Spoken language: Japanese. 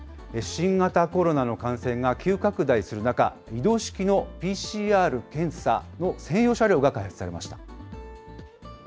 新型コロナの感染が急拡大する中、移動式のＰＣＲ検査の専用車両が開発されました。